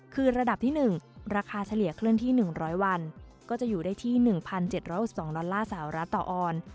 คือระดับที่๑ราคาเฉลี่ยเคลื่อนที่๑๐๐วันก็จะอยู่ได้ที่๑๗๖๒ดอลลาร์สาวรัฐต่อออน